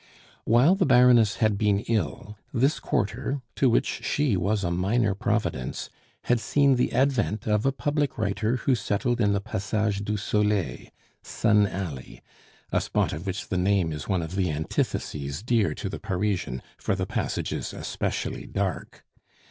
While the Baroness had been ill, this quarter, to which she was a minor Providence, had seen the advent of a public writer who settled in the Passage du Soleil Sun Alley a spot of which the name is one of the antitheses dear to the Parisian, for the passage is especially dark.